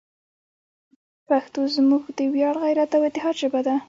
پښتو زموږ د ویاړ، غیرت، او اتحاد ژبه ده.